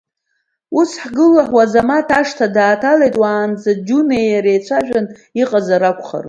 Ус, ҳгәыла Уазамаҭ ашҭа дааҭалеит, уаанӡа Џьунеи иареи еицәажәаны иҟазар акәхарын.